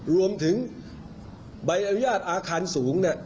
รวมถึงใบอนุญาตอาคารสูง